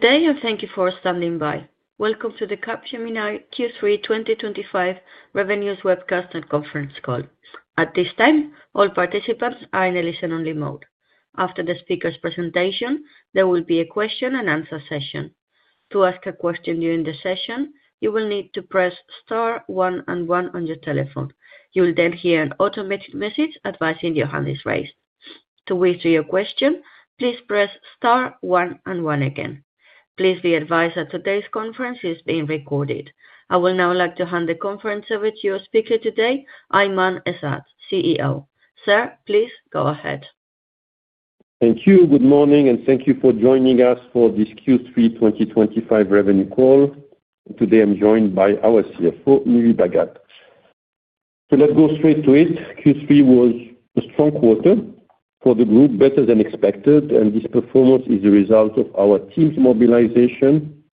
Today, and thank you for standing by. Welcome to the Capgemini Q3 2025 Revenues Webcast and Conference Call. At this time, all participants are in a listen-only mode. After the speaker's presentation, there will be a question and answer session. To ask a question during the session, you will need to press *1 and 1 on your telephone. You will then hear an automated message advising your hand is raised. To withdraw your question, please press *1 and 1 again. Please be advised that today's conference is being recorded. I will now like to hand the conference over to our speaker today, Aiman Ezzat, CEO. Sir, please go ahead. Thank you. Good morning, and thank you for joining us for this Q3 2025 Revenue Call. Today, I'm joined by our CFO, Nive Bhagat. Let's go straight to it. Q3 was a strong quarter for the group, better than expected, and this performance is a result of our team's mobilization,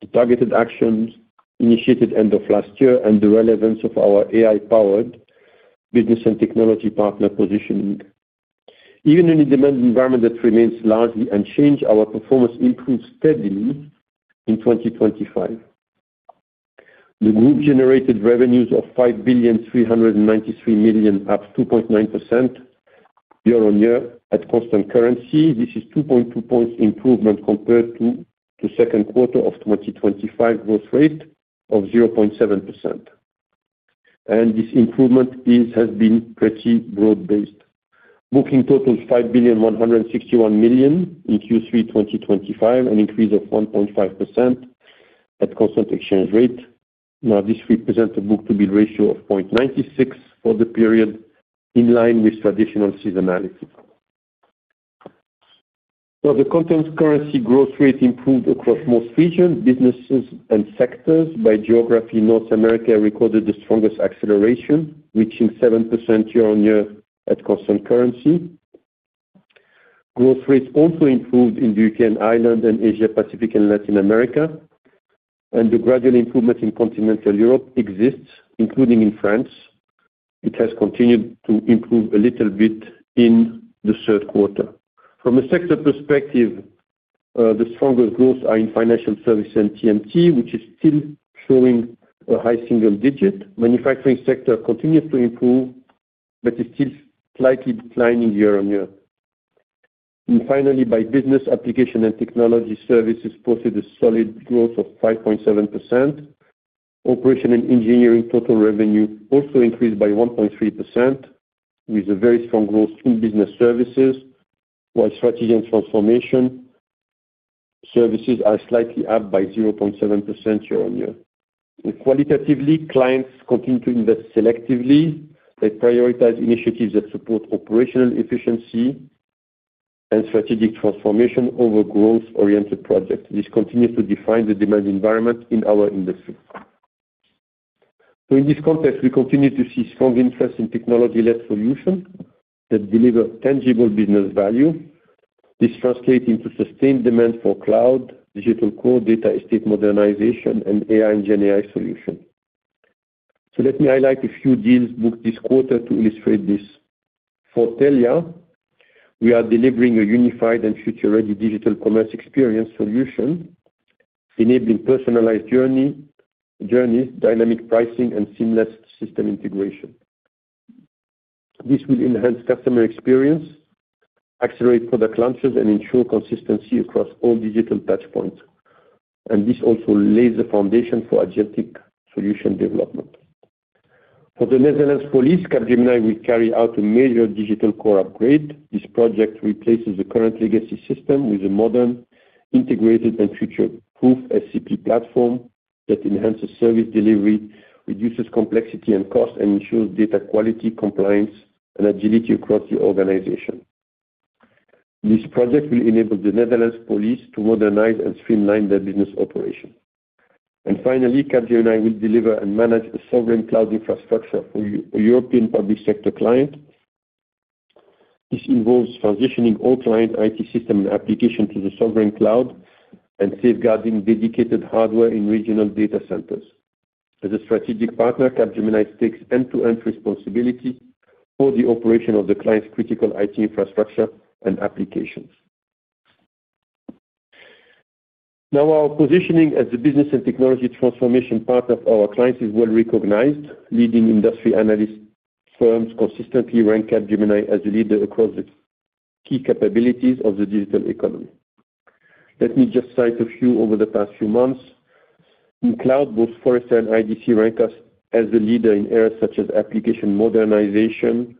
the targeted actions initiated end of last year, and the relevance of our AI-powered business and technology partner positioning. Even in a demand environment that remains largely unchanged, our performance improved steadily in 2025. The group generated revenues of €5,393 million, up 2.9% year-on-year at constant currency. This is a 2.2-point improvement compared to the second quarter of 2025, growth rate of 0.7%. This improvement has been pretty broad-based. Bookings totaled €5,161 million in Q3 2025, an increase of 1.5% at constant currency. This represents a book-to-bill ratio of 0.96 for the period, in line with traditional seasonality. The constant currency growth rate improved across most regions, businesses, and sectors. By geography, North America recorded the strongest acceleration, reaching 7% year-on-year at constant currency. Growth rates also improved in the UK and Ireland, Asia-Pacific, and Latin America, and the gradual improvement in continental Europe exists, including in France. It has continued to improve a little bit in the third quarter. From a sector perspective, the strongest growth is in financial services and TMT sectors, which is still showing a high single digit. The manufacturing sector continues to improve, but is still slightly declining year-on-year. By business, application and technology services posted a solid growth of 5.7%. Operation and engineering total revenue also increased by 1.3%, with very strong growth in business services, while strategy and transformation services are slightly up by 0.7% year-on-year. Qualitatively, clients continue to invest selectively. They prioritize initiatives that support operational efficiency and strategic transformation over growth-oriented projects. This continues to define the demand environment in our industry. In this context, we continue to see strong interest in technology-led solutions that deliver tangible business value. This translates into sustained demand for cloud services, digital core data estate modernization, and artificial intelligence solutions and generative AI solutions. Let me highlight a few deals booked this quarter to illustrate this. For Telia, we are delivering a unified and future-ready digital commerce experience solution, enabling personalized journeys, dynamic pricing, and seamless system integration. This will enhance customer experience, accelerate product launches, and ensure consistency across all digital touchpoints. This also lays the foundation for agility solution development. For the Netherlands police, Capgemini will carry out a major digital core upgrade. This project replaces the current legacy system with a modern, integrated, and future-proof SCP platform that enhances service delivery, reduces complexity and cost, and ensures data quality, compliance, and agility across the organization. This project will enable the Netherlands police to modernize and streamline their business operation. Finally, Capgemini will deliver and manage a sovereign cloud infrastructure for a European public sector client. This involves transitioning all client IT systems and applications to the sovereign cloud and safeguarding dedicated hardware in regional data centers. As a strategic partner, Capgemini takes end-to-end responsibility for the operation of the client's critical IT infrastructure and applications. Our positioning as a business and technology transformation partner for our clients is well recognized. Leading industry analyst firms consistently rank Capgemini as a leader across the key capabilities of the digital economy. Let me just cite a few over the past few months. In cloud, both Forrester and IDC rank us as a leader in areas such as application modernization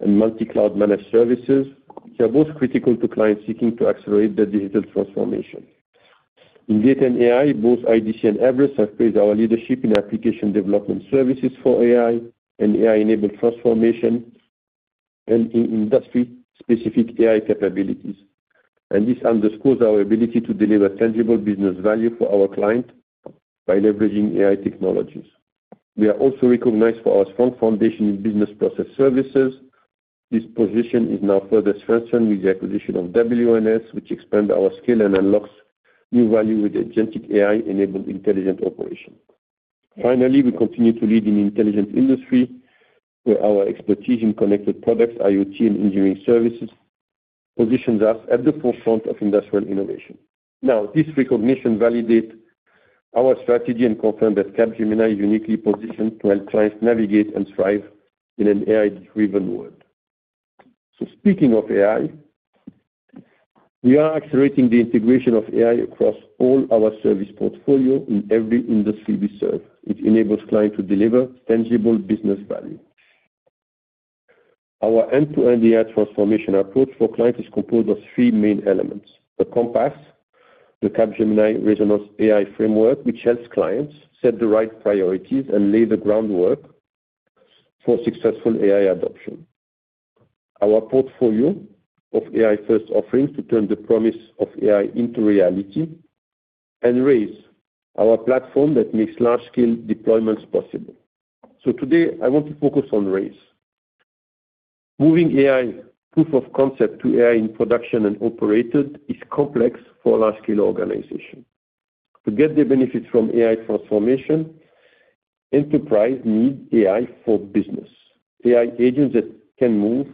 and multi-cloud managed services, which are both critical to clients seeking to accelerate their digital transformation. In data and AI, both IDC and Everest have praised our leadership in application development services for AI and AI-enabled transformation and in industry-specific AI capabilities. This underscores our ability to deliver tangible business value for our clients by leveraging AI technologies. We are also recognized for our strong foundation in business process services. This position is now further strengthened with the acquisition of WNS, which expands our scale and unlocks new value with agentic AI-enabled intelligent operations. We continue to lead in the intelligent industry, where our expertise in connected products, IoT, and engineering services positions us at the forefront of industrial innovation. Now, this recognition validates our strategy and confirms that Capgemini is uniquely positioned to help clients navigate and thrive in an AI-driven world. Speaking of AI, we are accelerating the integration of AI across all our service portfolio in every industry we serve. It enables clients to deliver tangible business value. Our end-to-end AI transformation approach for clients is composed of three main elements: the compass, the Capgemini Resonance AI Framework, which helps clients set the right priorities and lay the groundwork for successful AI adoption, our portfolio of AI-first offerings to turn the promise of AI into reality, and Raise, our platform that makes large-scale deployments possible. Today, I want to focus on Raise. Moving AI proof of concept to AI in production and operated is complex for a large-scale organization. To get the benefits from AI transformation, enterprise needs AI for business. AI agents that can move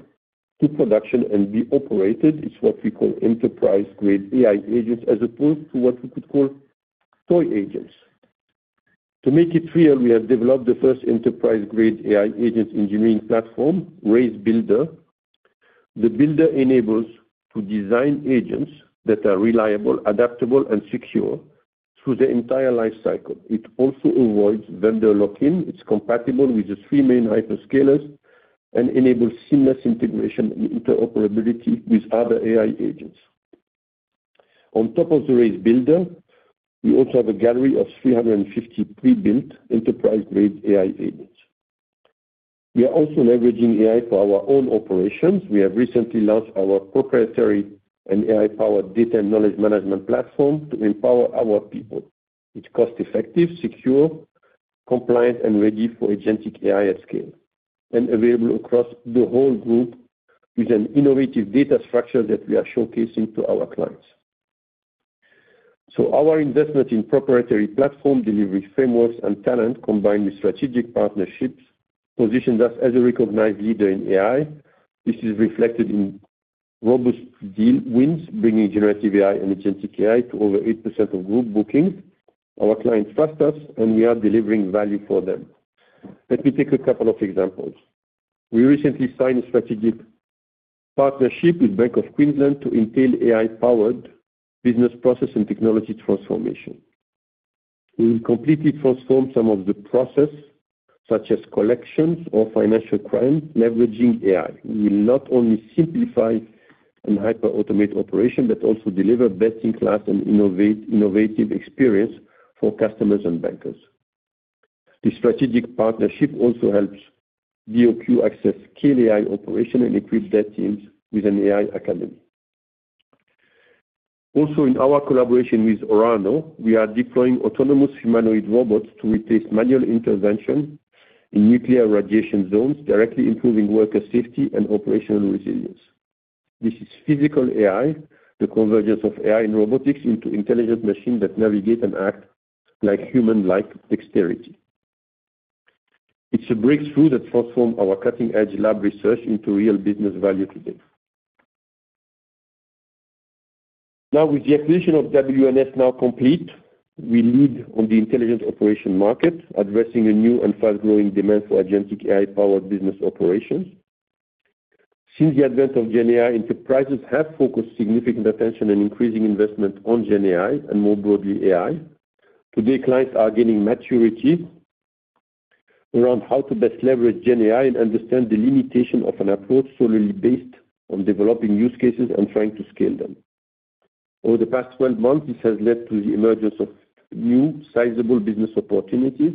to production and be operated. It's what we call enterprise-grade AI agents as opposed to what we could call toy agents. To make it real, we have developed the first enterprise-grade AI agent engineering platform, Raise Builder. The Builder enables us to design agents that are reliable, adaptable, and secure through the entire lifecycle. It also avoids vendor lock-in. It's compatible with the three main hyperscalers and enables seamless integration and interoperability with other AI agents. On top of the Raise Builder, we also have a gallery of 350 pre-built enterprise-grade AI agents. We are also leveraging AI for our own operations. We have recently launched our proprietary and AI-powered data and knowledge management platform to empower our people. It's cost-effective, secure, compliant, and ready for agentic AI at scale and available across the whole group with an innovative data structure that we are showcasing to our clients. Our investment in proprietary platform delivery frameworks and talent combined with strategic partnerships positions us as a recognized leader in AI. This is reflected in robust deal wins, bringing generative AI and agentic AI to over 8% of group bookings. Our clients trust us, and we are delivering value for them. Let me take a couple of examples. We recently signed a strategic partnership with Bank of Queensland to entail AI-powered business process and technology transformation. We will completely transform some of the process, such as collections or financial crimes, leveraging AI. We will not only simplify and hyper-automate operations, but also deliver best-in-class and innovative experience for customers and bankers. This strategic partnership also helps DOQ access scale AI operation and equip their teams with an AI academy. Also, in our collaboration with Orano, we are deploying autonomous humanoid robots to replace manual intervention in nuclear radiation zones, directly improving worker safety and operational resilience. This is physical AI, the convergence of AI and robotics into intelligent machines that navigate and act with human-like dexterity. It's a breakthrough that transformed our cutting-edge lab research into real business value today. Now, with the acquisition of WNS now complete, we lead on the intelligent operation market, addressing a new and fast-growing demand for agentic AI-powered business operations. Since the advent of generative AI, enterprises have focused significant attention and increasing investment on generative AI and more broadly AI. Today, clients are gaining maturity around how to best leverage generative AI and understand the limitation of an approach solely based on developing use cases and trying to scale them. Over the past 12 months, this has led to the emergence of new sizable business opportunities.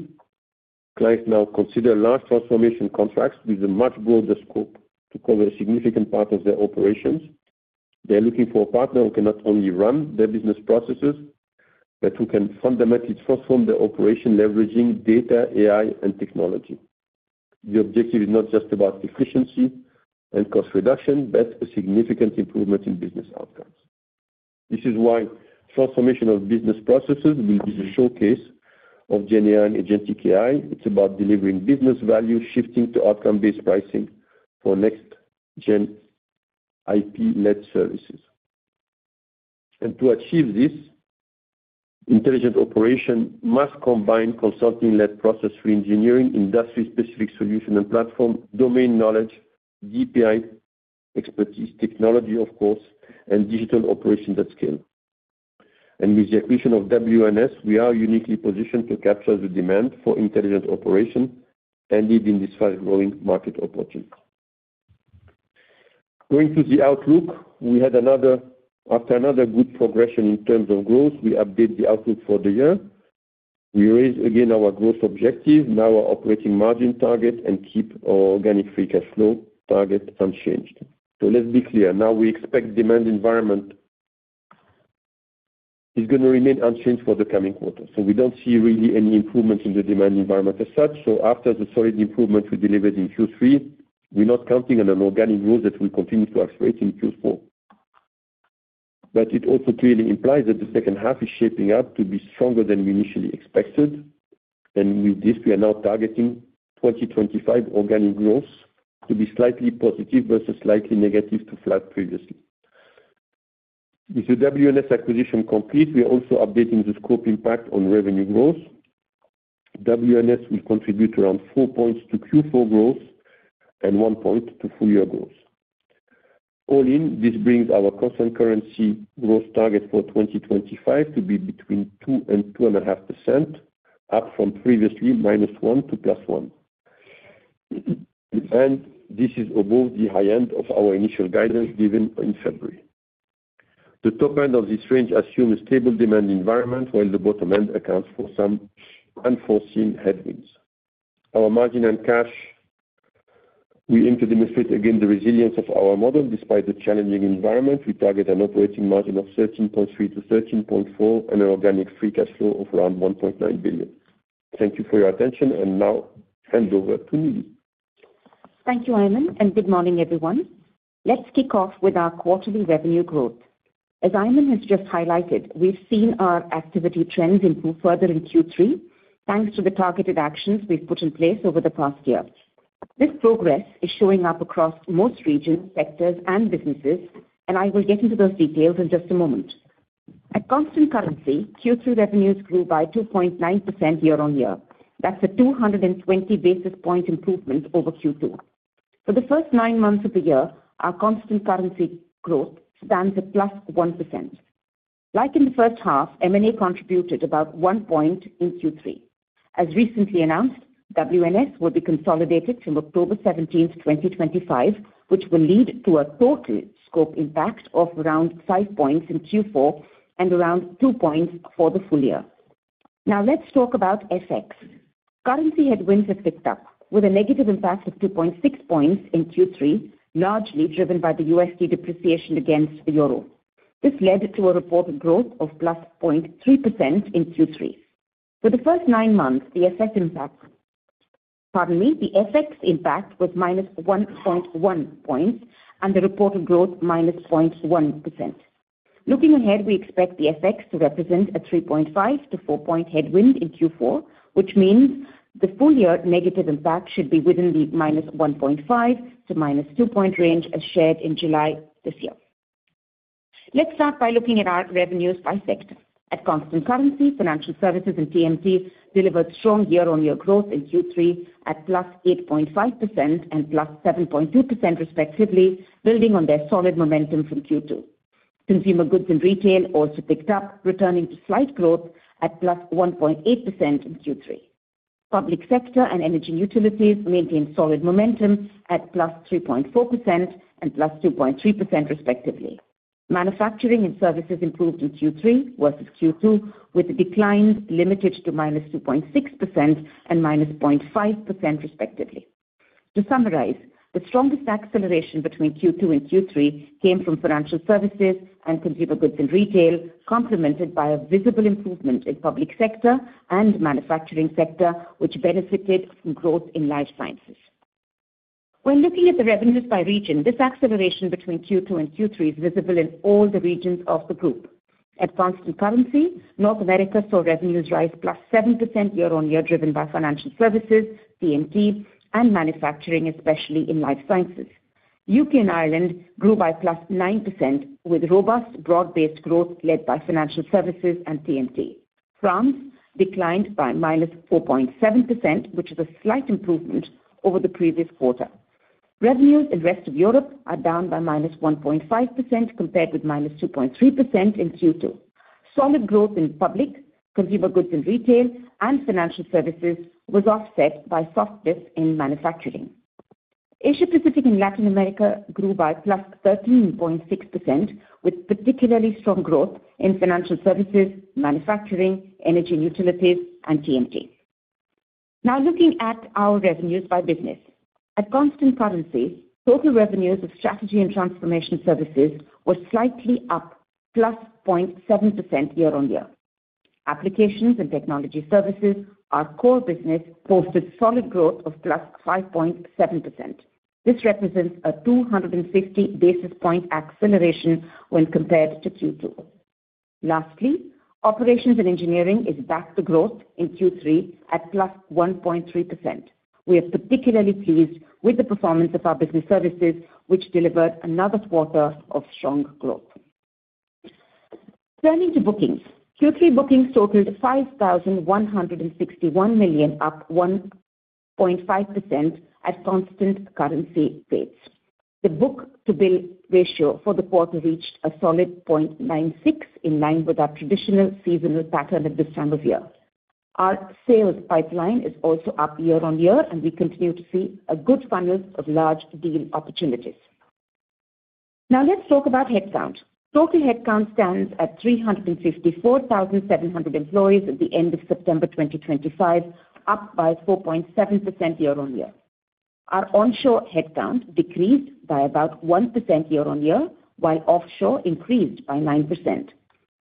Clients now consider large transformation contracts with a much broader scope to cover a significant part of their operations. They're looking for a partner who can not only run their business processes, but who can fundamentally transform their operation, leveraging data, AI, and technology. The objective is not just about efficiency and cost reduction, but a significant improvement in business outcomes. This is why transformation of business processes will be the showcase of generative AI and agentic AI. It's about delivering business value, shifting to outcome-based pricing for next-gen IP-led services. To achieve this, intelligent operation must combine consulting-led process re-engineering, industry-specific solution and platform, domain knowledge, DPI expertise, technology, of course, and digital operations at scale. With the acquisition of WNS, we are uniquely positioned to capture the demand for intelligent operation and lead in this fast-growing market opportunity. Going to the outlook, we had another good progression in terms of growth. We update the outlook for the year. We raise again our growth objective, now our operating margin target, and keep our organic free cash flow target unchanged. Let's be clear. Now we expect the demand environment is going to remain unchanged for the coming quarter. We don't see really any improvements in the demand environment as such. After the solid improvement we delivered in Q3, we're not counting on an organic growth that will continue to accelerate in Q4. It also clearly implies that the second half is shaping up to be stronger than we initially expected. With this, we are now targeting 2025 organic growth to be slightly positive versus slightly negative to flat previously. With the WNS acquisition complete, we are also updating the scope impact on revenue growth. WNS will contribute around 4 points to Q4 growth and 1 point to full-year growth. All in, this brings our constant currency growth target for 2025 to be between 2 and 2.5%, up from previously -1 to +1. This is above the high end of our initial guidance given in February. The top end of this range assumes a stable demand environment while the bottom end accounts for some unforeseen headwinds. Our margin and cash, we aim to demonstrate again the resilience of our model despite the challenging environment. We target an operating margin of 13.3 to 13.4 and an organic free cash flow of around €1.9 billion. Thank you for your attention and now hand over to Nive. Thank you, Aiman, and good morning, everyone. Let's kick off with our quarterly revenue growth. As Aiman has just highlighted, we've seen our activity trends improve further in Q3, thanks to the targeted actions we've put in place over the past year. This progress is showing up across most regions, sectors, and businesses, and I will get into those details in just a moment. At constant currency, Q3 revenues grew by 2.9% year-on-year. That's a 220 basis point improvement over Q2. For the first nine months of the year, our constant currency growth stands at +1%. Like in the first half, M&A contributed about one point in Q3. As recently announced, WNS will be consolidated from October 17, 2025, which will lead to a total scope impact of around five points in Q4 and around two points for the full year. Now let's talk about FX. Currency headwinds have picked up with a negative impact of 2.6 points in Q3, largely driven by the USD depreciation against the euro. This led to a reported growth of +0.3% in Q3. For the first nine months, the FX impact was -1.1 points and the reported growth -0.1%. Looking ahead, we expect the FX to represent a 3.5 to 4 point headwind in Q4, which means the full year negative impact should be within the -1.5 to -2 point range as shared in July this year. Let's start by looking at our revenues by sector. At constant currency, financial services and TMT delivered strong year-on-year growth in Q3 at +8.5% and +7.2% respectively, building on their solid momentum from Q2. Consumer goods and retail also picked up, returning to slight growth at +1.8% in Q3. Public sector and energy and utilities maintained solid momentum at +3.4% and +2.3% respectively. Manufacturing and services improved in Q3 versus Q2 with declines limited to -2.6% and -0.5% respectively. To summarize, the strongest acceleration between Q2 and Q3 came from financial services and consumer goods and retail, complemented by a visible improvement in public sector and manufacturing sector, which benefited from growth in life sciences. When looking at the revenues by region, this acceleration between Q2 and Q3 is visible in all the regions of the group. At constant currency, North America saw revenues rise +7% year-on-year, driven by financial services, TMT, and manufacturing, especially in life sciences. UK and Ireland grew by +9% with robust broad-based growth led by financial services and TMT. France declined by -4.7%, which is a slight improvement over the previous quarter. Revenues in the rest of Europe are down by -1.5% compared with -2.3% in Q2. Solid growth in public, consumer goods and retail, and financial services was offset by softness in manufacturing. Asia-Pacific and Latin America grew by +13.6%, with particularly strong growth in financial services, manufacturing, energy and utilities, and TMT sectors. Now looking at our revenues by business. At constant currency, total revenues of strategy and transformation services were slightly up +0.7% year-on-year. Applications and technology services, our core business, posted solid growth of +5.7%. This represents a 260 basis point acceleration when compared to Q2. Lastly, operations and engineering is back to growth in Q3 at +1.3%. We are particularly pleased with the performance of our business services, which delivered another quarter of strong growth. Turning to bookings, Q3 bookings totaled €5,161 million, up 1.5% at constant currency rates. The book-to-bill ratio for the quarter reached a solid 0.96, in line with our traditional seasonal pattern at this time of year. Our sales pipeline is also up year-on-year, and we continue to see a good funnel of large deal opportunities. Now let's talk about headcount. Total headcount stands at 354,700 employees at the end of September 2025, up by 4.7% year-on-year. Our onshore headcount decreased by about 1% year-on-year, while offshore increased by 9%.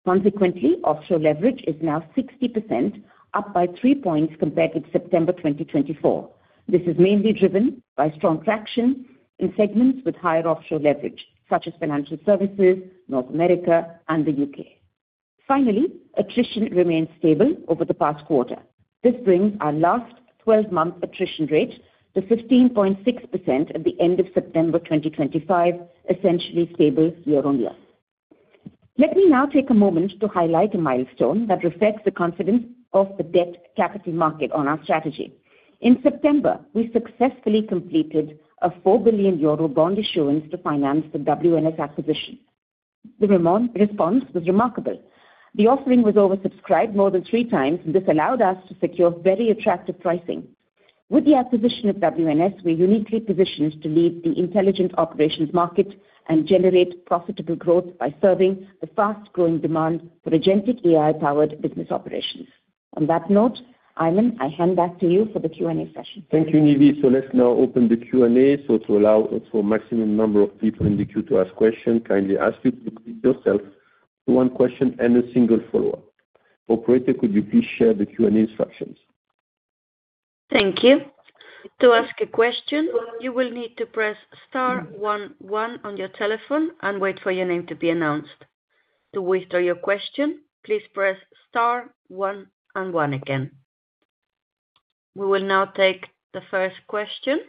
Consequently, offshore leverage is now 60%, up by 3 points compared with September 2024. This is mainly driven by strong traction in segments with higher offshore leverage, such as financial services, North America, and the UK. Finally, attrition remains stable over the past quarter. This brings our last 12-month attrition rate to 15.6% at the end of September 2025, essentially stable year-on-year. Let me now take a moment to highlight a milestone that reflects the confidence of the debt capital market on our strategy. In September, we successfully completed a €4 billion bond issuance to finance the WNS acquisition. The response was remarkable. The offering was oversubscribed more than three times, and this allowed us to secure very attractive pricing. With the acquisition of WNS, we're uniquely positioned to lead the intelligent operations market and generate profitable growth by serving the fast-growing demand for agentic AI-powered business operations. On that note, Aiman, I hand back to you for the Q&A session. Thank you, Nive. Let's now open the Q&A. To allow for a maximum number of people in the queue to ask questions, kindly introduce yourself and limit to one question and a single follow-up. Operator, could you please share the Q&A instructions? Thank you. To ask a question, you will need to press *1 and 1 on your telephone and wait for your name to be announced. To withdraw your question, please press *1 and 1 again. We will now take the first question.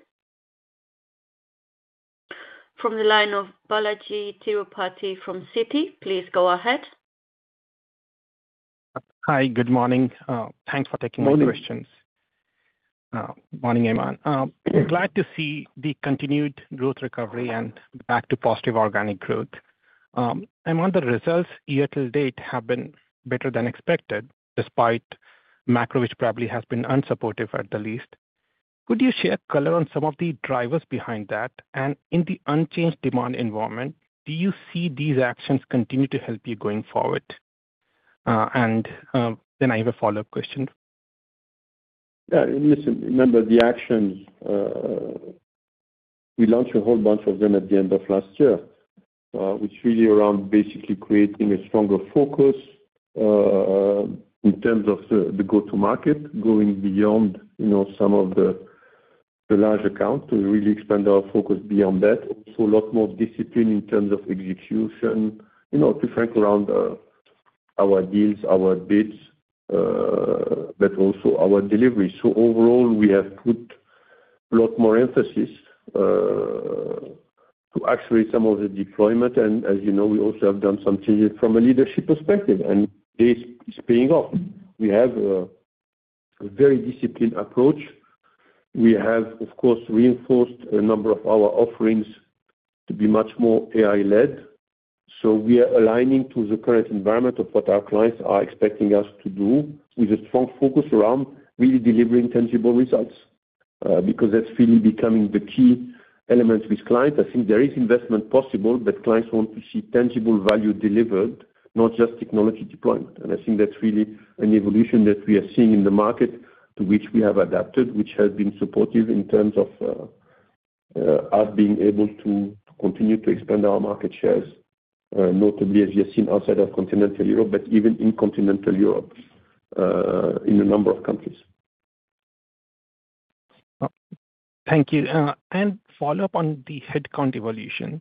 From the line of Balajee Tirupati from Citi, please go ahead. Hi, good morning. Thanks for taking my questions. Morning. Morning, Aiman. Glad to see the continued growth recovery and back to positive organic growth. Aiman, the results year to date have been better than expected, despite macro, which probably has been unsupportive at the least. Could you shed color on some of the drivers behind that? In the unchanged demand environment, do you see these actions continue to help you going forward? I have a follow-up question. Yeah, listen, remember the actions. We launched a whole bunch of them at the end of last year, which is really around basically creating a stronger focus in terms of the go-to-market, going beyond some of the large accounts to really expand our focus beyond that. Also, a lot more discipline in terms of execution, to be frank, around our deals, our bids, but also our delivery. Overall, we have put a lot more emphasis to accelerate some of the deployment. As you know, we also have done some changes from a leadership perspective, and it's paying off. We have a very disciplined approach. We have, of course, reinforced a number of our offerings to be much more AI-led. We are aligning to the current environment of what our clients are expecting us to do with a strong focus around really delivering tangible results. That's really becoming the key element with clients. I think there is investment possible, but clients want to see tangible value delivered, not just technology deployment. I think that's really an evolution that we are seeing in the market to which we have adapted, which has been supportive in terms of us being able to continue to expand our market shares, notably as you have seen outside of continental Europe, but even in continental Europe in a number of countries. Thank you. A follow-up on the headcount evolution.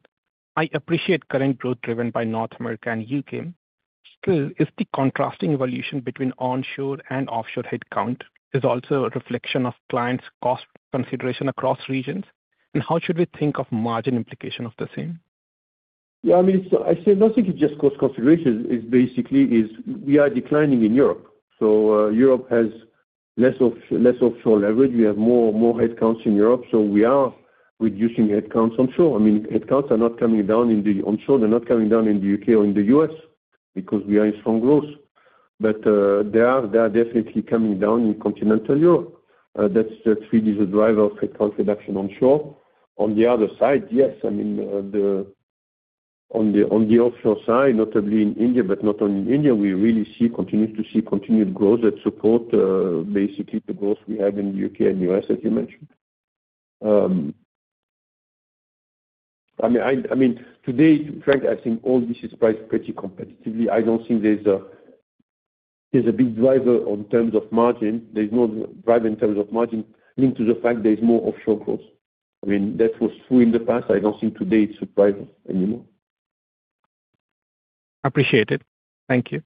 I appreciate current growth driven by North America and UK. Still, is the contrasting evolution between onshore and offshore headcount also a reflection of clients' cost consideration across regions? How should we think of margin implication of the same? Yeah, I mean, I say nothing is just cost consideration. It basically is we are declining in Europe. Europe has less offshore leverage. We have more and more headcounts in Europe, so we are reducing headcounts onshore. Headcounts are not coming down in the onshore. They're not coming down in the UK or in the US because we are in strong growth, but they are definitely coming down in continental Europe. That's really the driver of headcount reduction onshore. On the other side, yes, on the offshore side, notably in India, but not only in India, we really continue to see continued growth that supports basically the growth we have in the UK and the US, as you mentioned. Today, to be frank, I think all this is priced pretty competitively. I don't think there's a big driver in terms of margin. There's no driver in terms of margin linked to the fact there's more offshore growth. That was true in the past. I don't think today it's a driver anymore. Appreciate it. Thank you.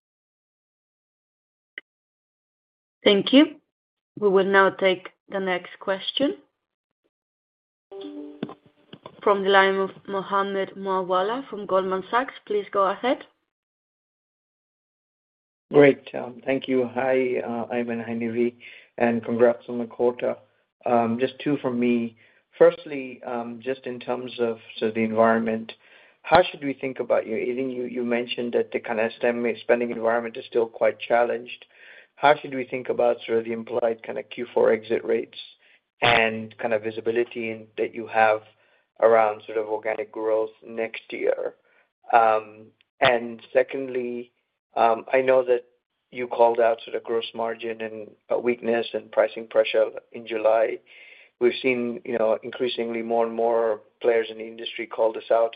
Thank you. We will now take the next question from the line of Mohammed Moawalla from Goldman Sachs. Please go ahead. Great. Thank you. Hi, Aiman, hi, Nive, and congrats on the quarter. Just two from me. Firstly, just in terms of sort of the environment, how should we think about your earnings? You mentioned that the kind of STEM spending environment is still quite challenged. How should we think about sort of the implied kind of Q4 exit rates and kind of visibility that you have around sort of organic growth next year? Secondly, I know that you called out sort of gross margin and weakness and pricing pressure in July. We've seen increasingly more and more players in the industry call this out.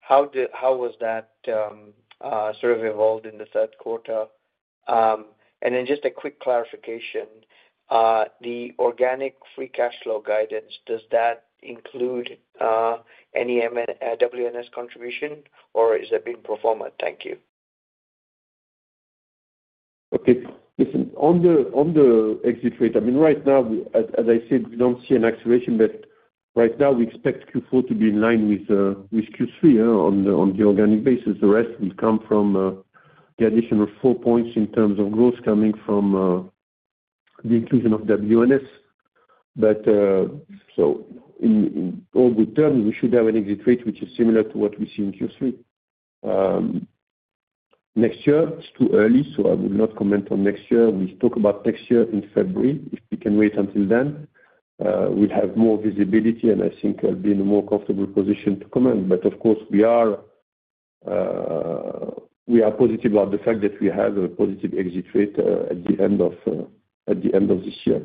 How has that sort of evolved in the third quarter? Just a quick clarification, the organic free cash flow guidance, does that include any WNS contribution, or is that being performed? Thank you. Okay. Listen, on the exit rate, right now, as I said, we don't see an acceleration, but right now, we expect Q4 to be in line with Q3 on the organic basis. The rest will come from the additional four points in terms of growth coming from the inclusion of WNS. In all good terms, we should have an exit rate which is similar to what we see in Q3. Next year, it's too early, so I will not comment on next year. We'll talk about next year in February. If we can wait until then, we'll have more visibility, and I think I'll be in a more comfortable position to comment. Of course, we are positive about the fact that we have a positive exit rate at the end of this year.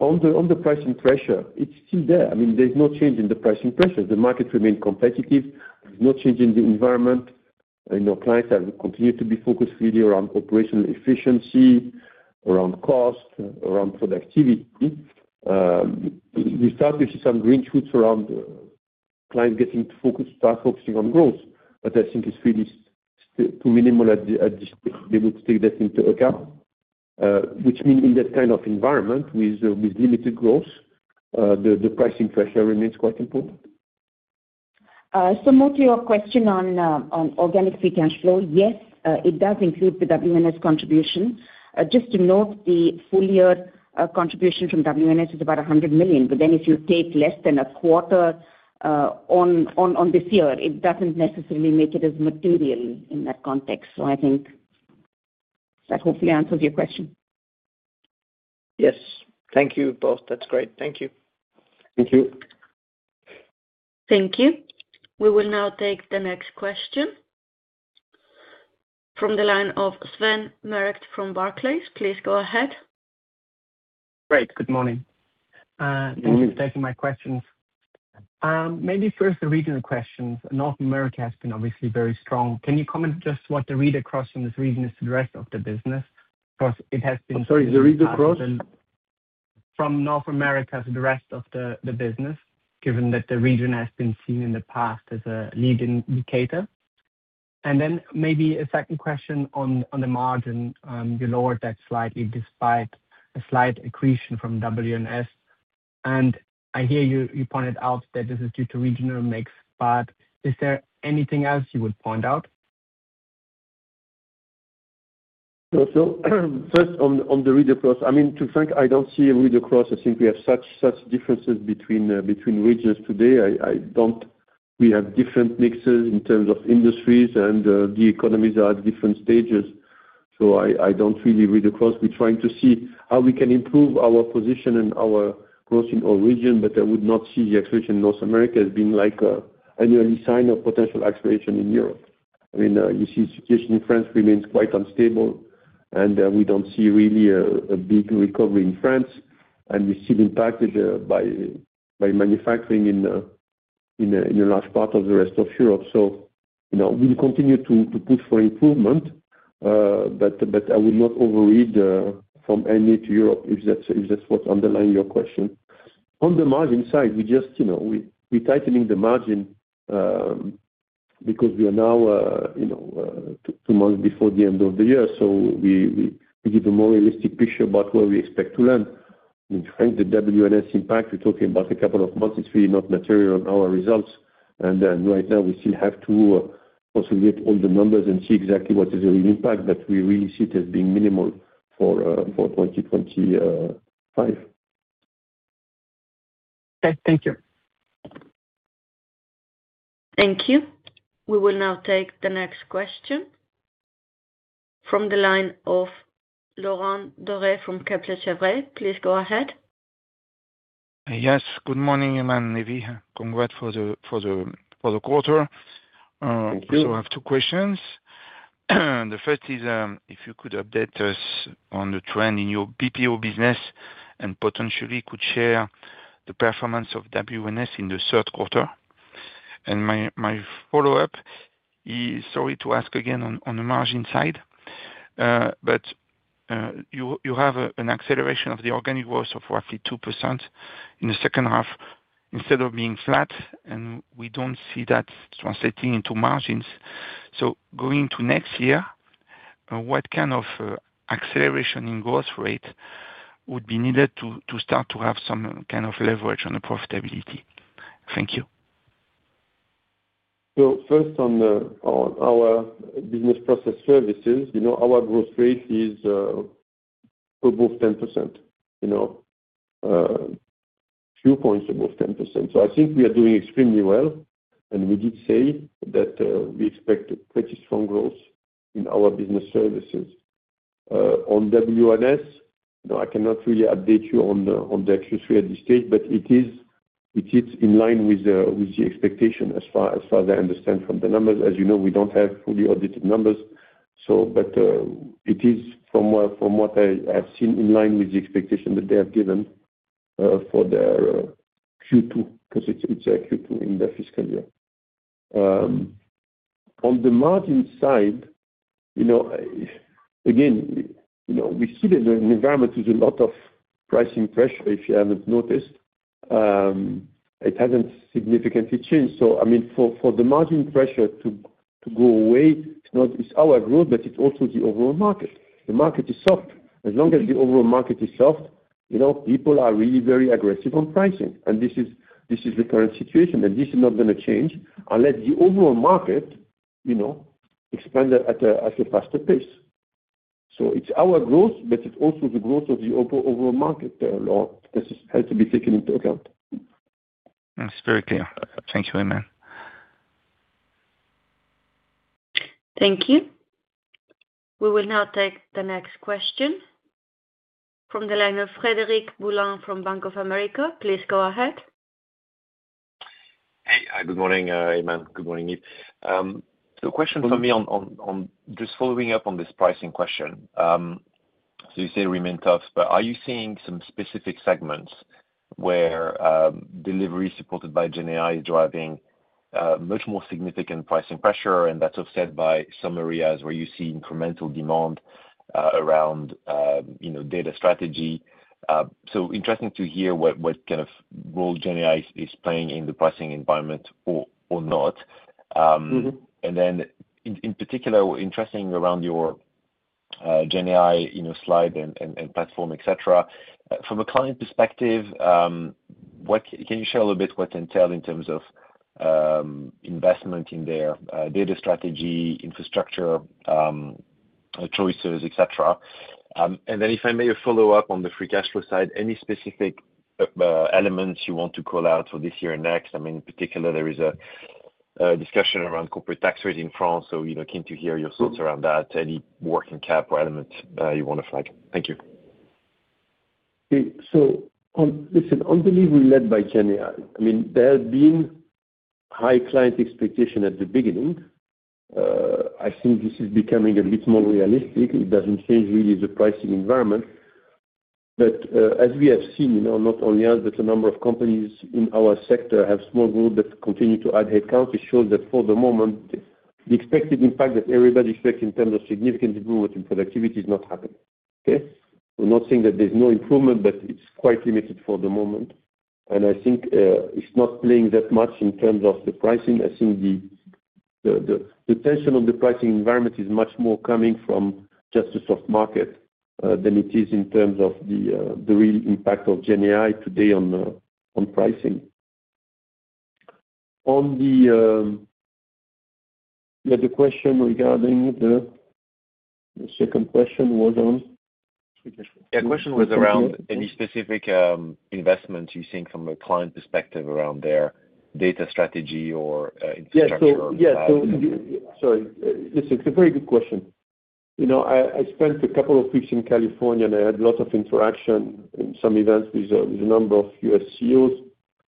On the pricing pressure, it's still there. There's no change in the pricing pressure. The market remains competitive. There's no change in the environment. Clients have continued to be focused really around operational efficiency, around cost, around productivity. We start to see some green shoots around clients starting to focus on growth. I think it's really too minimal at this stage to be able to take that into account, which means in that kind of environment with limited growth, the pricing pressure remains quite important. Yes, it does include the WNS contribution. Just to note, the full-year contribution from WNS is about $100 million. If you take less than a quarter this year, it doesn't necessarily make it as material in that context. I think that hopefully answers your question. Yes, thank you both. That's great. Thank you. Thank you. Thank you. We will now take the next question from the line of Sven Merkt from Barclays, please go ahead. Great. Good morning. Morning. Thank you for taking my questions. Maybe first the regional questions. North America has been obviously very strong. Can you comment just what the read across in this region is to the rest of the business? Because it has been. I'm sorry, the read across? From North America to the rest of the business, given that the region has been seen in the past as a leading indicator. Maybe a second question on the margin. You lowered that slightly despite a slight accretion from WNS. I hear you pointed out that this is due to regional mix, but is there anything else you would point out? First on the read across, to be frank, I don't see a read across. I think we have such differences between regions today. We have different mixes in terms of industries, and the economies are at different stages. I don't really read across. We're trying to see how we can improve our position and our growth in our region, but I would not see the acceleration in North America as being like an annual sign of potential acceleration in Europe. You see the situation in France remains quite unstable, and we don't see really a big recovery in France. We're still impacted by manufacturing in a large part of the rest of Europe. We'll continue to push for improvement, but I would not overread from any to Europe if that's what's underlying your question. On the margin side, we're tightening the margin because we are now two months before the end of the year. We give a more realistic picture about where we expect to land. Frankly, the WNS impact, we're talking about a couple of months. It's really not material on our results. Right now, we still have to consolidate all the numbers and see exactly what is the real impact, but we really see it as being minimal for 2025. Okay, thank you. Thank you. We will now take the next question. From the line of Laurent Daure from Kepler Cheuvreux, please go ahead. Yes. Good morning, Aiman, Nive. Congrats for the quarter. Thank you. I have two questions. The first is, if you could update us on the trend in your BPO business and potentially could share the performance of WNS in the third quarter. My follow-up is, sorry to ask again on the margin side, but you have an acceleration of the organic growth of roughly 2% in the second half instead of being flat, and we don't see that translating into margins. Going to next year, what kind of acceleration in growth rate would be needed to start to have some kind of leverage on the profitability? Thank you. First, on our business process services, our growth rate is above 10%, a few points above 10%. I think we are doing extremely well. We did say that we expect pretty strong growth in our business services. On WNS, I cannot really update you on the Q3 at this stage, but it sits in line with the expectation as far as I understand from the numbers. As you know, we don't have fully audited numbers, but it is from what I have seen in line with the expectation that they have given for their Q2 because it's their Q2 in their fiscal year. On the margin side, again, we see that the environment is a lot of pricing pressure, if you haven't noticed. It hasn't significantly changed. For the margin pressure to go away, it's not just our growth, but it's also the overall market. The market is soft. As long as the overall market is soft, people are really very aggressive on pricing. This is the current situation. This is not going to change unless the overall market expands at a faster pace. It's our growth, but it's also the growth of the overall market that has to be taken into account. That's very clear. Thank you, Aiman. Thank you. We will now take the next question from the line of Frederic Boulan from Bank of America. Please go ahead. Hey, good morning, Aiman. Good morning, Nive. A question from me on just following up on this pricing question. You say it remains tough, but are you seeing some specific segments where delivery supported by generative AI is driving much more significant pricing pressure? That's offset by some areas where you see incremental demand around data strategy. Interesting to hear what kind of role generative AI is playing in the pricing environment or not. In particular, interesting around your generative AI slide and platform, etc. From a client perspective, what can you share a little bit what's entailed in terms of investment in their data strategy, infrastructure choices, etc.? If I may follow up on the free cash flow side, any specific elements you want to call out for this year and next? In particular, there is a discussion around corporate tax rate in France. Keen to hear your thoughts around that. Any working cap or elements you want to flag? Thank you. Okay. On delivery led by generative AI, there has been a high client expectation at the beginning. I think this is becoming a bit more realistic. It does not change really the pricing environment. As we have seen, not only us, but a number of companies in our sector have small growth that continue to add headcount. It shows that for the moment, the expected impact that everybody expects in terms of significant improvement in productivity is not happening. We're not saying that there's no improvement, but it's quite limited for the moment. I think it's not playing that much in terms of the pricing. The tension on the pricing environment is much more coming from just a soft market than it is in terms of the real impact of generative AI today on pricing. The question regarding the second question was on. The question was around any specific investments you're seeing from a client perspective around their data strategy or infrastructure. Yeah, yeah. Sorry, listen, it's a very good question. I spent a couple of weeks in California, and I had a lot of interaction in some events with a number of U.S. CEOs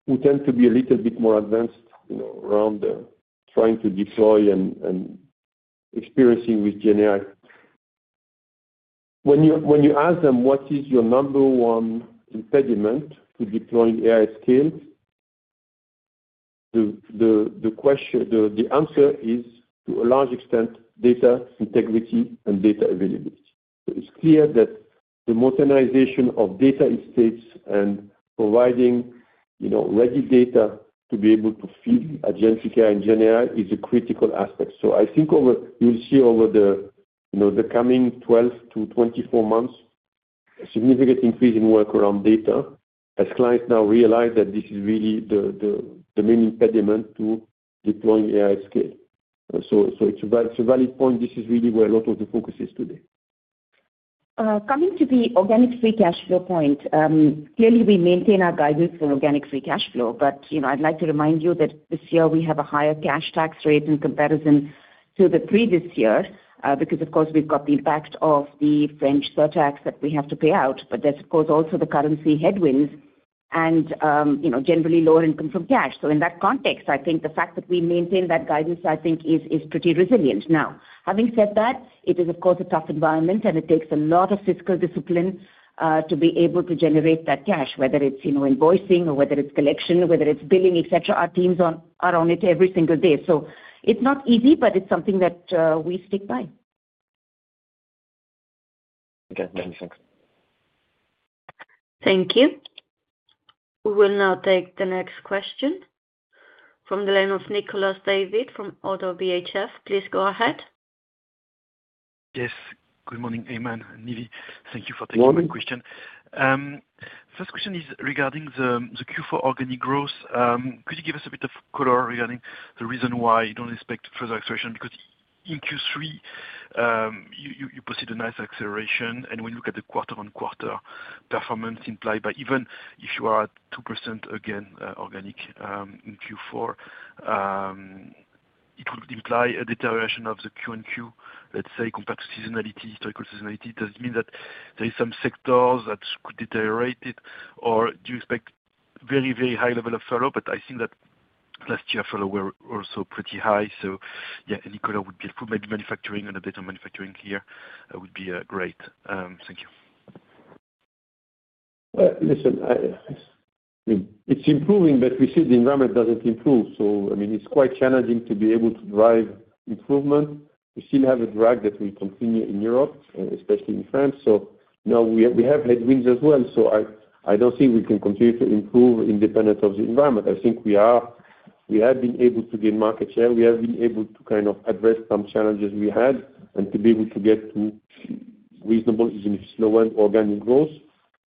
who tend to be a little bit more advanced around trying to deploy and experiencing with generative AI. When you ask them, "What is your number one impediment to deploying AI at scale?" the answer is, to a large extent, data integrity and data availability. It's clear that the modernization of data estates and providing ready data to be able to feed agentic AI and generative AI is a critical aspect. I think you will see over the coming 12 to 24 months a significant increase in work around data as clients now realize that this is really the main impediment to deploying AI at scale. It's a valid point. This is really where a lot of the focus is today. Coming to the organic free cash flow point, clearly, we maintain our guidance for organic free cash flow. I'd like to remind you that this year we have a higher cash tax rate in comparison to the previous year because, of course, we've got the impact of the French surtax that we have to pay out. There's also the currency headwinds and generally lower income from cash. In that context, I think the fact that we maintain that guidance is pretty resilient. Having said that, it is a tough environment, and it takes a lot of fiscal discipline to be able to generate that cash, whether it's invoicing or whether it's collection, whether it's billing, etc. Our teams are on it every single day. It's not easy, but it's something that we stick by. Okay, makes sense. Thank you. We will now take the next question. From the line of Nicolas David from Oddo BHF, please go ahead. Yes. Good morning, Aiman and Nive. Thank you for taking the question. Good morning. The first question is regarding the Q4 organic growth. Could you give us a bit of color regarding the reason why you don't expect further acceleration? Because in Q3, you proceeded a nice acceleration. When you look at the quarter-on-quarter performance implied by even if you are at 2% again organic in Q4, it would imply a deterioration of the Q1Q, let's say, compared to seasonality, historical seasonality. Does it mean that there are some sectors that could deteriorate, or do you expect a very, very high level of furlough? I think that last year furloughs were also pretty high. Any color would be helpful. Maybe manufacturing and a bit of manufacturing here would be great. Thank you. I mean, it's improving, but we see the environment doesn't improve. It's quite challenging to be able to drive improvement. We still have a drag that we continue in Europe, especially in France. Now we have headwinds as well. I don't think we can continue to improve independent of the environment. I think we have been able to gain market share. We have been able to address some challenges we had and to be able to get to reasonable, even if slower, organic growth.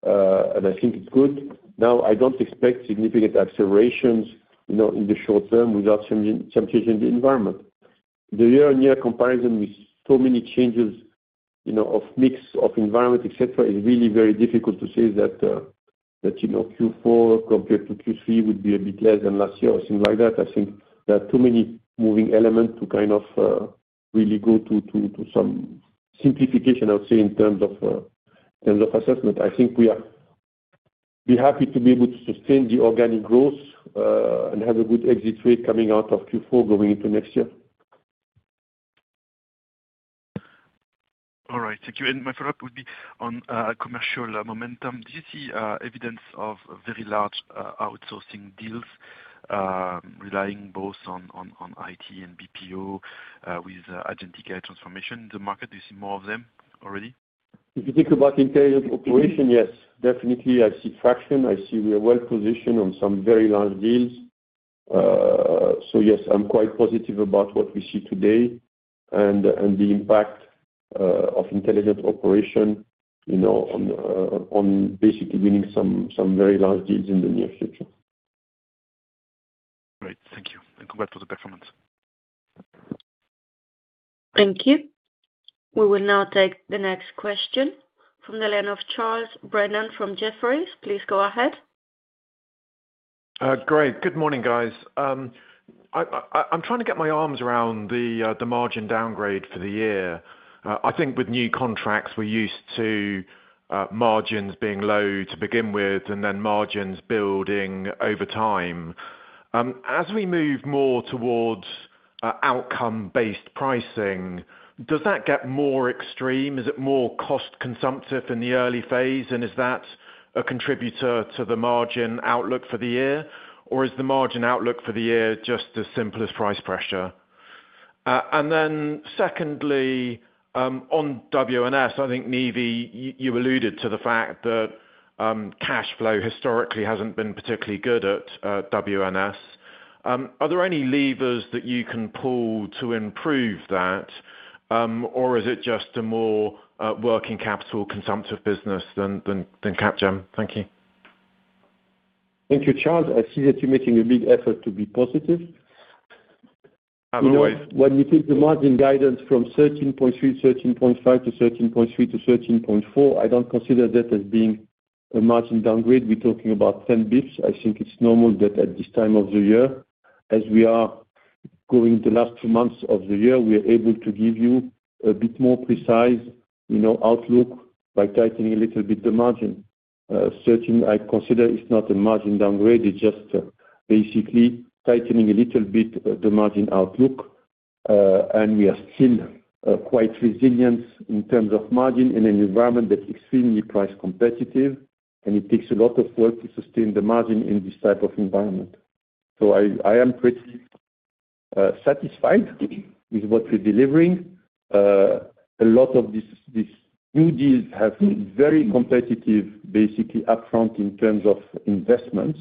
I think it's good. I don't expect significant accelerations in the short term without changing the environment. The year-on-year comparison with so many changes of mix of environment, etc., is really very difficult to say that Q4 compared to Q3 would be a bit less than last year or something like that. I think there are too many moving elements to really go to some simplification, I would say, in terms of assessment. I think we are happy to be able to sustain the organic growth, and have a good exit rate coming out of Q4 going into next year. All right. Thank you. My follow-up would be on commercial momentum. Do you see evidence of very large outsourcing deals relying both on IT and BPO, with agentic AI transformation in the market? Do you see more of them already? If you think about intelligent operations, yes, definitely. I see traction. I see we are well positioned on some very large deals. Yes, I'm quite positive about what we see today and the impact of intelligent operations on basically winning some very large deals in the near future. Great. Thank you, and congrats for the performance. Thank you. We will now take the next question from the line of Charles Brennan from Jefferies. Please go ahead. Great. Good morning, guys. I'm trying to get my arms around the margin downgrade for the year. I think with new contracts, we're used to margins being low to begin with and then margins building over time. As we move more towards outcome-based pricing, does that get more extreme? Is it more cost-consumptive in the early phase? Is that a contributor to the margin outlook for the year? Is the margin outlook for the year just as simple as pricing pressure? Secondly, on WNS, I think, Nive, you alluded to the fact that cash flow historically hasn't been particularly good at WNS. Are there any levers that you can pull to improve that? Is it just a more working capital consumptive business than Capgemini? Thank you. Thank you, Charles. I see that you're making a big effort to be positive. Otherwise. When you take the margin guidance from 13.3-13.5% to 13.3-13.4%, I don't consider that as being a margin downgrade. We're talking about 10 bps. I think it's normal that at this time of the year, as we are going into the last two months of the year, we are able to give you a bit more precise outlook by tightening a little bit the margin. I consider it's not a margin downgrade. It's just basically tightening a little bit the margin outlook. We are still quite resilient in terms of margin in an environment that's extremely price-competitive. It takes a lot of work to sustain the margin in this type of environment. I am pretty satisfied with what we're delivering. A lot of these new deals have been very competitive, basically upfront in terms of investments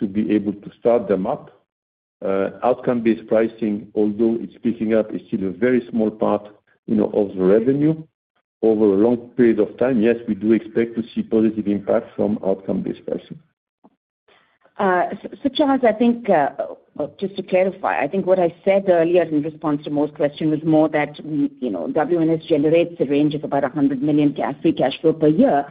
to be able to start them up. Outcome-based pricing, although it's picking up, is still a very small part of the revenue over a long period of time. Yes, we do expect to see positive impact from outcome-based pricing. Charles, just to clarify, I think what I said earlier in response to Mo's question was more that, you know, WNS generates a range of about $100 million free cash flow per year.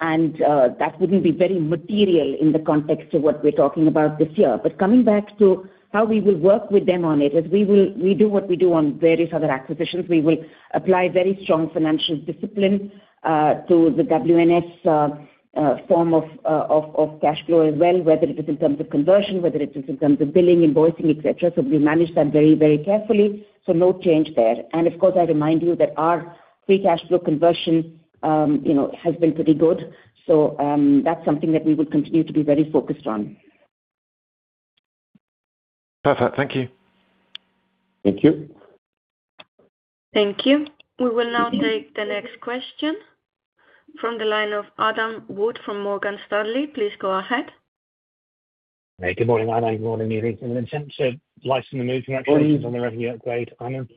That wouldn't be very material in the context of what we're talking about this year. Coming back to how we will work with them on it, as we will, we do what we do on various other acquisitions. We will apply very strong financial discipline to the WNS form of cash flow as well, whether it is in terms of conversion, whether it is in terms of billing, invoicing, etc. We'll manage that very, very carefully. No change there. Of course, I remind you that our free cash flow conversion has been pretty good. That's something that we will continue to be very focused on. Perfect. Thank you. Thank you. Thank you. We will now take the next question from the line of Adam Wood from Morgan Stanley. Please go ahead. Hey, good morning, Aiman. Good morning, Nive. In the sense of life's in the mood for action on the revenue upgrade, Aiman.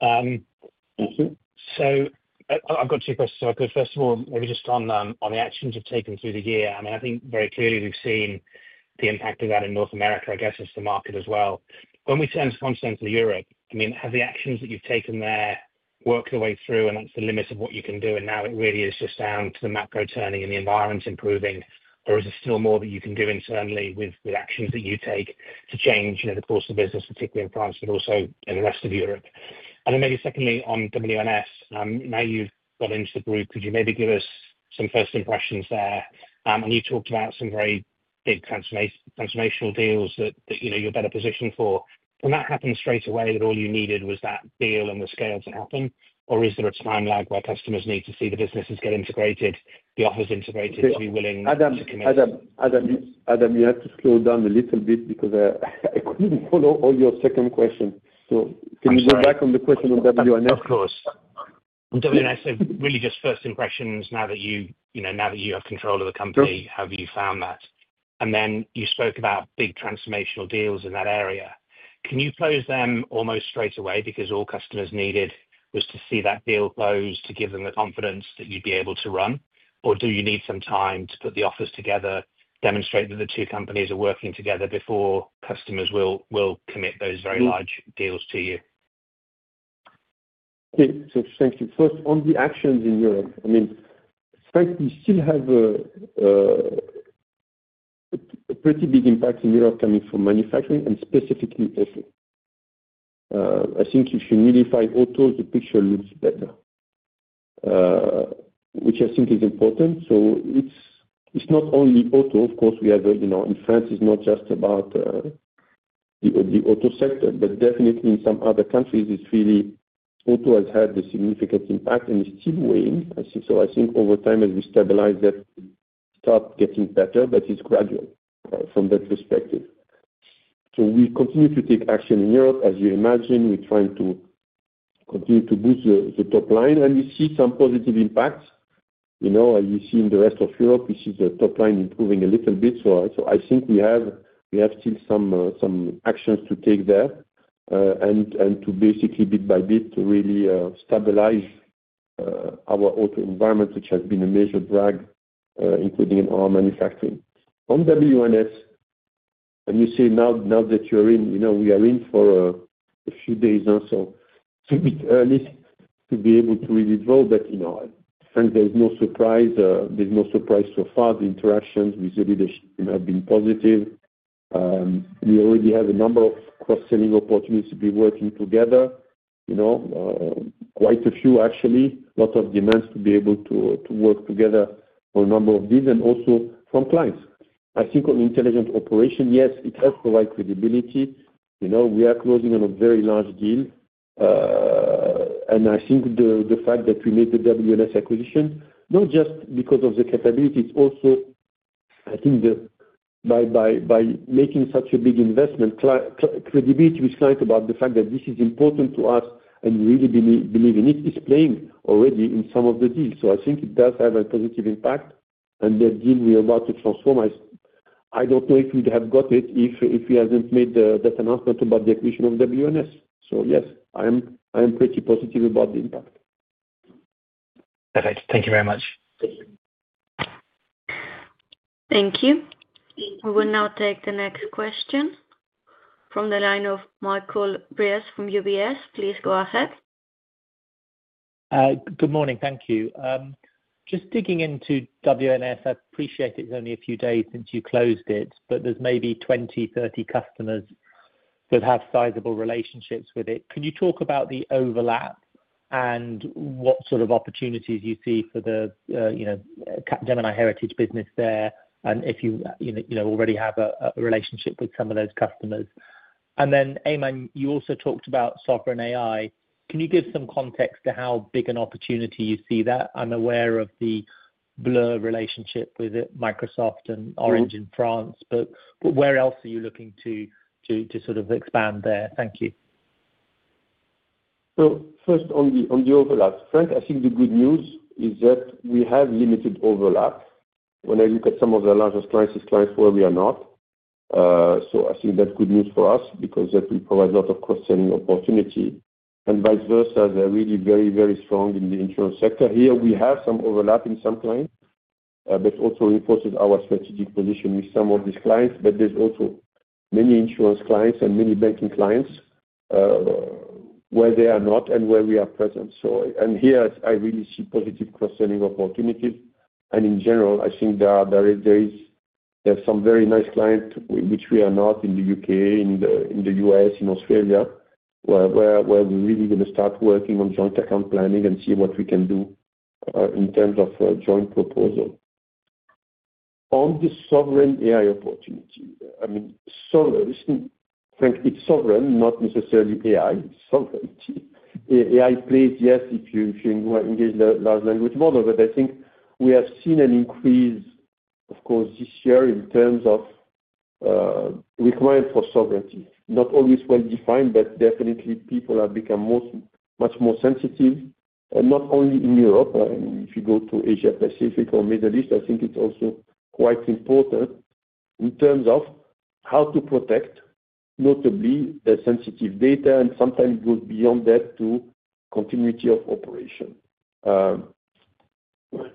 Thank you. I have two questions, if I could. First of all, maybe just on the actions you've taken through the year. I think very clearly we've seen the impact of that in North America, I guess, as the market as well. When we turn to continental Europe, have the actions that you've taken there worked their way through and that's the limit of what you can do? Now it really is just down to the macro turning and the environment improving, or is there still more that you can do internally with actions that you take to change the course of business, particularly in France, but also in the rest of Europe? Maybe secondly, on WNS, now you've got into the group, could you give us some first impressions there? You talked about some very big transformational deals that you're better positioned for. When that happened straight away, that all you needed was that deal and the scale to happen? Or is there a time lag where customers need to see the businesses get integrated, the offers integrated to be willing to commit? Adam, you have to slow down a little bit because I couldn't follow all your second question. Can you go back on the question on WNS? Of course. On WNS, really just first impressions now that you have control of the company, how have you found that? You spoke about big transformational deals in that area. Can you close them almost straight away because all customers needed was to see that deal close to give them the confidence that you'd be able to run? Do you need some time to put the offers together, demonstrate that the two companies are working together before customers will commit those very large deals to you? Okay. Thank you. First, on the actions in Europe, I mean, frankly, we still have a pretty big impact in Europe coming from manufacturing and specifically auto. I think if you nullify auto, the picture looks better, which I think is important. It's not only auto. Of course, we have a, you know, in France, it's not just about the auto sector, but definitely in some other countries, really auto has had the significant impact and is still weighing. I think over time, as we stabilize that, it starts getting better, but it's gradual from that perspective. We continue to take action in Europe. As you imagine, we're trying to continue to boost the top line. We see some positive impacts. As you see in the rest of Europe, we see the top line improving a little bit. I think we have still some actions to take there, and to basically bit by bit really stabilize our auto environment, which has been a major drag, including in our manufacturing. On WNS, and you say now that you're in, you know, we are in for a few days now, so it's a bit early to be able to really draw, but frankly, there's no surprise. There's no surprise so far. The interactions with the leadership have been positive. We already have a number of cross-selling opportunities to be working together. Quite a few, actually. A lot of demands to be able to work together on a number of deals and also from clients. I think on intelligent operations, yes, it has the right credibility. We are closing on a very large deal. I think the fact that we made the WNS acquisition, not just because of the capability, it's also, I think, by making such a big investment, credibility with clients about the fact that this is important to us and we really believe in it is playing already in some of the deals. I think it does have a positive impact. The deal we are about to transform, I don't know if we'd have got it if we hadn't made that announcement about the acquisition of WNS. Yes, I am pretty positive about the impact. Perfect. Thank you very much. Thank you. We will now take the next question. From the line of Michael Briest from UBS, please go ahead. Good morning. Thank you. Just digging into WNS, I appreciate it's only a few days since you closed it, but there's maybe 20, 30 customers that have sizable relationships with it. Can you talk about the overlap and what sort of opportunities you see for the Capgemini Heritage business there? If you already have a relationship with some of those customers, can you elaborate? Aiman, you also talked about software and AI. Can you give some context to how big an opportunity you see that? I'm aware of the blur relationship with Microsoft and Orange in France, but where else are you looking to sort of expand there? Thank you. First, on the overlap, frankly, I think the good news is that we have limited overlap when I look at some of the largest clients, clients where we are not. I think that's good news for us because that will provide a lot of cross-selling opportunity. Vice versa, they're really very, very strong in the insurance sector. Here, we have some overlap in some clients, but it also reinforces our strategic position with some of these clients. There's also many insurance clients and many banking clients where they are not and where we are present. Here, I really see positive cross-selling opportunities. In general, I think there are some very nice clients which we are not in the UK, in the US, in Australia, where we're really going to start working on joint account planning and see what we can do in terms of a joint proposal. On the sovereign AI opportunity, frankly, it's sovereign, not necessarily AI. It's sovereignty. AI plays, yes, if you engage the large language model, but I think we have seen an increase, of course, this year in terms of requirements for sovereignty. Not always well-defined, but definitely, people have become much more sensitive, and not only in Europe. If you go to Asia-Pacific or Middle East, I think it's also quite important in terms of how to protect, notably, the sensitive data. Sometimes it goes beyond that to continuity of operation.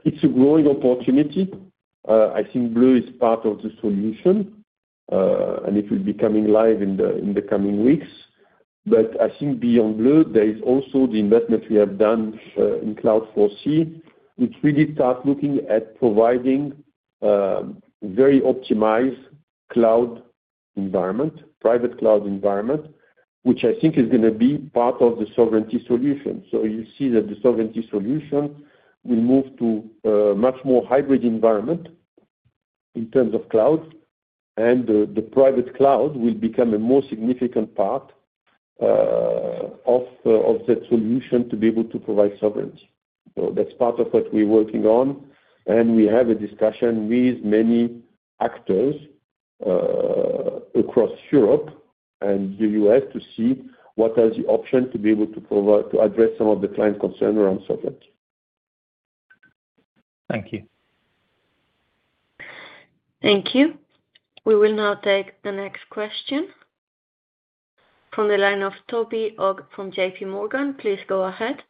It's a growing opportunity. I think Bleu is part of the solution, and it will be coming live in the coming weeks. Beyond Bleu, there is also the investment we have done in Cloud4C, which really starts looking at providing a very optimized cloud environment, private cloud environment, which I think is going to be part of the sovereignty solution. You'll see that the sovereignty solution will move to a much more hybrid environment in terms of clouds, and the private cloud will become a more significant part of that solution to be able to provide sovereignty. That's part of what we're working on. We have a discussion with many actors across Europe and the US to see what are the options to be able to provide to address some of the client's concerns around sovereignty. Thank you. Thank you. We will now take the next question from the line of Toby Ogg from JPMorgan. Please go ahead.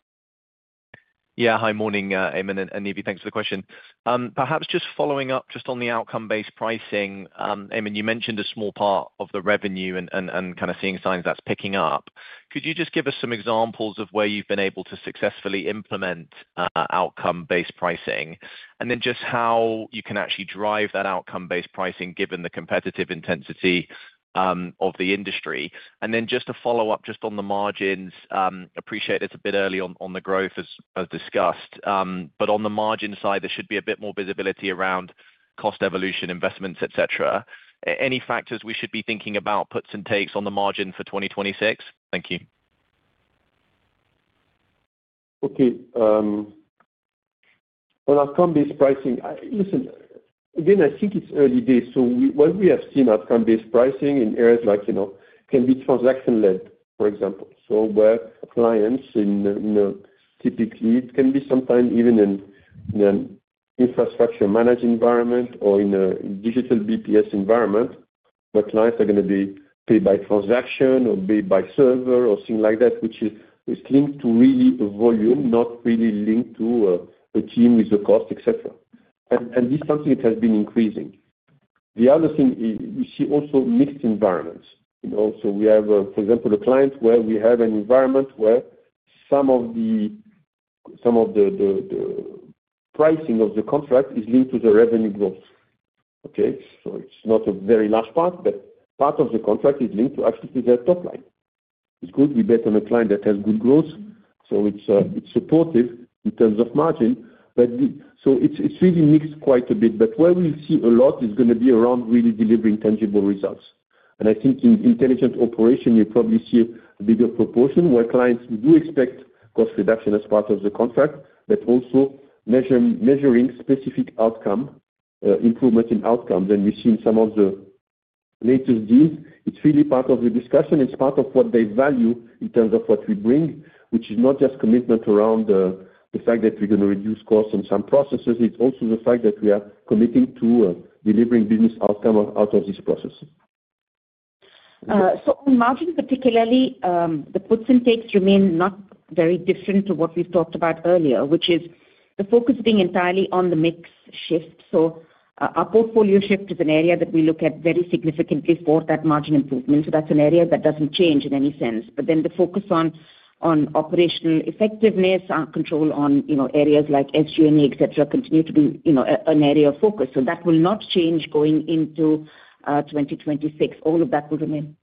Yeah. Hi, morning, Aiman and Nive. Thanks for the question. Perhaps just following up on the outcome-based pricing, Aiman, you mentioned a small part of the revenue and kind of seeing signs that's picking up. Could you just give us some examples of where you've been able to successfully implement outcome-based pricing? Could you explain how you can actually drive that outcome-based pricing given the competitive intensity of the industry? To follow up on the margins, I appreciate it's a bit early on the growth as discussed. On the margin side, there should be a bit more visibility around cost evolution, investments, etc. Any factors we should be thinking about, puts and takes on the margin for 2026? Thank you. Okay. On outcome-based pricing, listen, again, I think it's early days. What we have seen is outcome-based pricing in areas like, you know, can be transaction-led, for example. Where clients in, you know, typically, it can be sometimes even in an infrastructure managed environment or in a digital BPS environment where clients are going to be paid by transaction or paid by server or things like that, which is linked to really a volume, not really linked to a team with a cost, etc. This is something that has been increasing. The other thing is you see also mixed environments. For example, we have a client where we have an environment where some of the pricing of the contract is linked to the revenue growth. It's not a very large part, but part of the contract is linked to actually to their top line. It's good. We bet on a client that has good growth. It's supportive in terms of margin. It's really mixed quite a bit. Where we will see a lot is going to be around really delivering tangible results. I think in intelligent operations, you'll probably see a bigger proportion where clients do expect cost reduction as part of the contract, but also measuring specific improvements in outcomes. We see in some of the latest deals, it's really part of the discussion. It's part of what they value in terms of what we bring, which is not just commitment around the fact that we're going to reduce costs on some processes. It's also the fact that we are committing to delivering business outcome out of these processes. On margin particularly, the puts and takes remain not very different to what we've talked about earlier, which is the focus being entirely on the mix shift. Our portfolio shift is an area that we look at very significantly for that margin improvement. That's an area that doesn't change in any sense. The focus on operational effectiveness and control on areas like SG&A, etc., continue to be an area of focus. That will not change going into 2026. All of that will remain.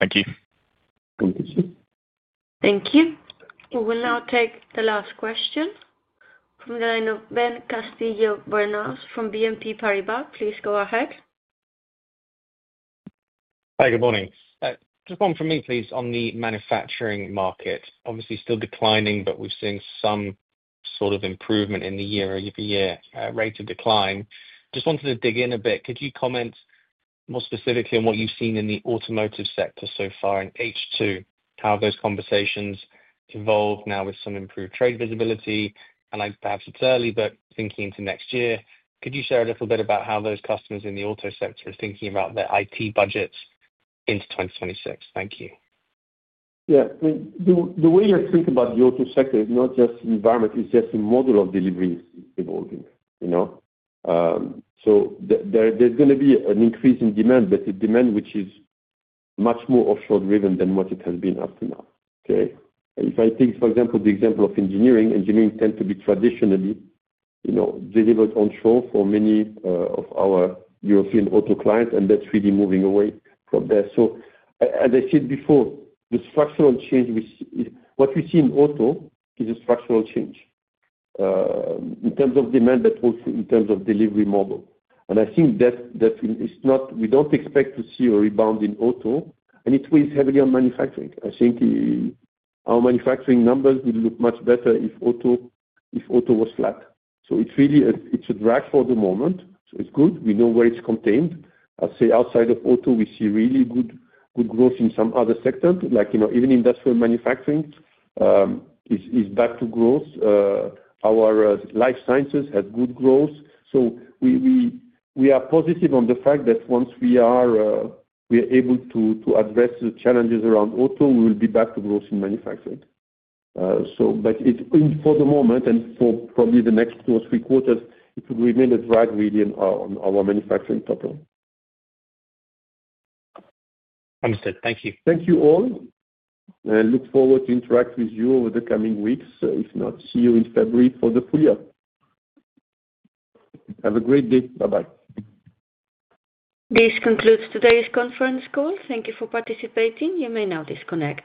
Thank you. Thank you. We will now take the last question from the line of Ben Castillo-Bernaus from BNP Paribas. Please go ahead. Hi, good morning. Just one for me, please, on the manufacturing market. Obviously, still declining, but we've seen some sort of improvement in the year-over-year rate of decline. Just wanted to dig in a bit. Could you comment more specifically on what you've seen in the automotive sector so far in H2, how those conversations evolve now with some improved trade visibility? Perhaps it's early, but thinking into next year, could you share a little bit about how those customers in the auto sector are thinking about their IT budgets into 2026? Thank you. Yeah. I mean, the way I think about the auto sector is not just the environment. It's just the model of delivery is evolving. You know, so there's going to be an increase in demand, but a demand which is much more offshore-driven than what it has been up to now. If I take, for example, the example of engineering, engineering tends to be traditionally, you know, delivered onshore for many of our European auto clients, and that's really moving away from there. As I said before, the structural change is what we see in auto is a structural change in terms of demand, but also in terms of delivery model. I think that it's not we don't expect to see a rebound in auto, and it weighs heavily on manufacturing. I think our manufacturing numbers would look much better if auto was flat. It's really a drag for the moment. It's good. We know where it's contained. I'll say outside of auto, we see really good growth in some other sectors. Like, you know, even industrial manufacturing is back to growth. Our life sciences have good growth. We are positive on the fact that once we are able to address the challenges around auto, we will be back to growth in manufacturing. For the moment, and for probably the next two or three quarters, it would remain a drag really on our manufacturing top line. Understood. Thank you. Thank you all. I look forward to interacting with you over the coming weeks. If not, see you in February for the full year. Have a great day. Bye-bye. This concludes today's conference call. Thank you for participating. You may now disconnect.